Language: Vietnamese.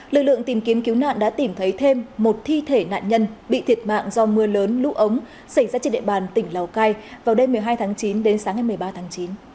lực lượng tìm kiếm cứu nạn đã tìm thấy thêm một thi thể nạn nhân bị thiệt mạng do mưa lớn lũ ống xảy ra trên địa bàn tỉnh lào cai vào đêm một mươi hai tháng chín đến sáng ngày một mươi ba tháng chín